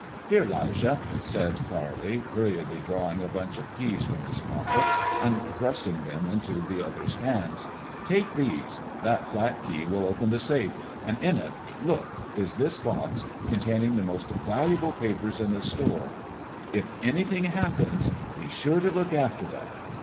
"Here, 'Lijah," said Farley, hurriedly drawing a bunch of keys from his pocket and thrusting them into the other's hands; "take these. That flat key will open the safe, and in it look is this box, containing the most valuable papers in the store. If anything happens be sure to look after them.